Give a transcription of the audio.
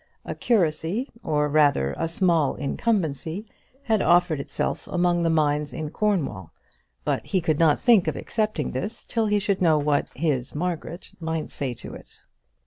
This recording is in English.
A curacy, or, rather, a small incumbency, had offered itself among the mines in Cornwall; but he could not think of accepting this till he should know what "his Margaret" might say to it.